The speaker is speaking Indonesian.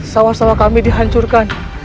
sawah sawah kami dihancurkan